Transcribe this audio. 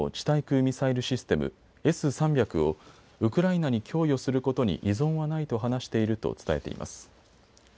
対空ミサイルシステムＳ３００をウクライナに供与することに異存はないと話していると伝えています。